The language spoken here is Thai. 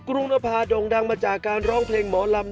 กิ๊กกุรุงตภาพดรงดังมาจากการร้องเพลงหมอลำ